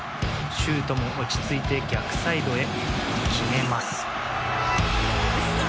シュートも落ち着いて逆サイドへ決めます。